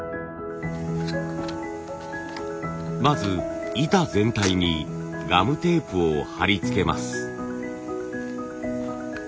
まず板全体にガムテープを貼り付けます。